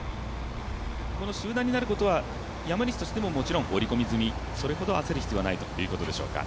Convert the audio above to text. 集団になることは山西としても既に織り込み済みそれほど焦ることはないということでしょうか。